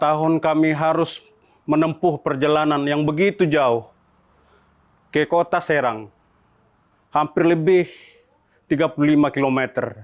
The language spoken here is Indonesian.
dua puluh tahun kami harus menempuh perjalanan yang begitu jauh ke kota serang hampir lebih tiga puluh lima km